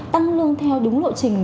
tăng lương theo đúng lộ trình